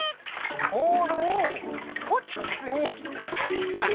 モールにホチキスにクリップか。